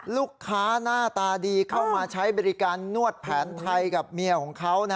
ลูกค้าหน้าตาดีเข้ามาใช้บริการนวดแผนไทยกับเมียของเขา